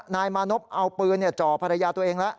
นายมานพเอาปืนจ่อภรรยาตัวเองแล้ว